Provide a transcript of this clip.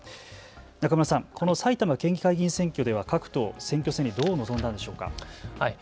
中村さん、この埼玉県議会議員選挙では各党、選挙戦にどう臨んだんでしょうか。